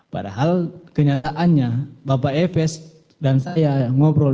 padahal kenyataannya bapak efes dan saya ngobrol